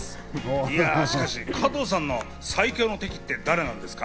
いやーしかし、加藤さんの最凶の敵って誰なんですか？